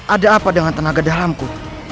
ada apa dengan tenaga dalamku